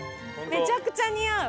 めちゃくちゃ似合う。